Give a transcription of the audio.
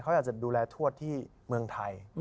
เขาอาจจะดูแลทวดที่เมืองไทย